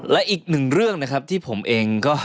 และอีกหนึ่งเรื่องนะครับที่ผมเองก็